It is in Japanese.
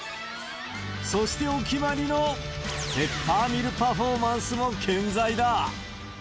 そしてお決まりの、ペッパーミルパフォーマンスも健在だ。